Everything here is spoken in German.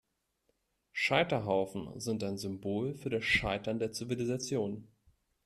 Scheiterhaufen sind ein Symbol für das Scheitern der Zivilisation.